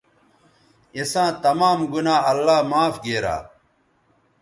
اِساں تمام گنا اللہ معاف گیرا